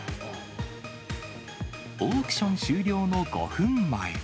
オークション終了の５分前。